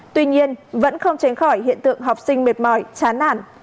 tuy nhiên vẫn không tránh khỏi hiện tượng học sinh mệt mỏi chán nản